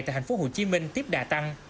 tại tp hcm tiếp đà tăng